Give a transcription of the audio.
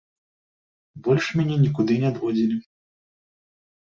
Больш мяне нікуды не адводзілі.